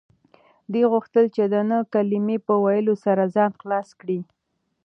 ده غوښتل چې د نه کلمې په ویلو سره ځان خلاص کړي.